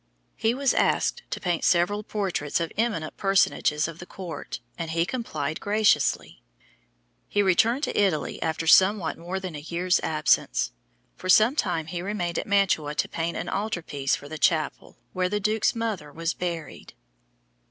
He was asked to paint several portraits of eminent personages of the court and he complied graciously. He returned to Italy after somewhat more than a year's absence. For some time he remained at Mantua to paint an altar piece for the chapel where the Duke's mother was buried.